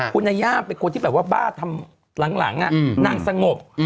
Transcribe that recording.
คุณนาย่าเป็นคนที่แบบว่าบ้าทำหลังนางสงบ